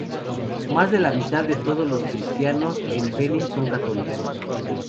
Más de la mitad de todos los cristianos en Benín son católicos.